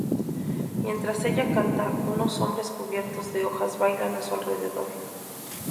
Mientras ella canta, unos hombres cubiertos de hojas bailan a su alrededor.